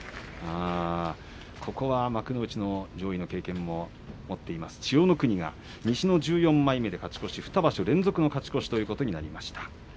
ここは幕内の上位の経験も持っています、千代の国が西の１４枚目で勝ち越し２場所連続の勝ち越しということになりました。